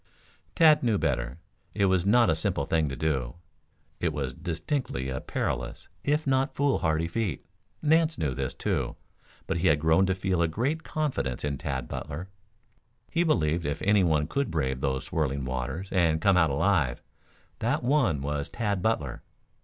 Tad knew better. It was not a simple thing to do. It was distinctly a perilous, if not a foolhardy feat. Nance knew this, too, but he had grown to feel a great confidence in Tad Butler. He believed that if anyone could brave those swirling waters and come out alive, that one was Tad Butler.